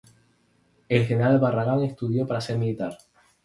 El general Barragán estudió para ser militar.